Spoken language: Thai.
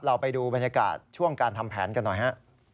เราไปดูบรรยากาศช่วงการทำแผนกันหน่อยฮะ